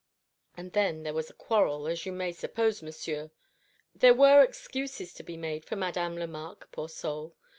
And then there was a quarrel, as you may suppose, Monsieur. There were excuses to be made for Madame Lemarque, poor soul.